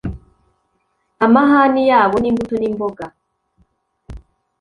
amaahani yabo nimbuto nimboga